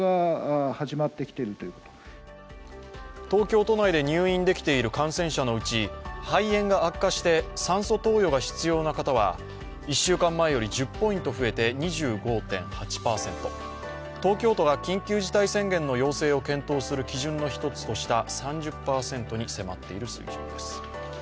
東京都内で入院できている感染者のうち肺炎が悪化して酸素投与が必要な方は、１週間前より１０ポイント増えて２５．８％東京都が緊急事態宣言の要請を検討する基準の３０％に迫っている水準です。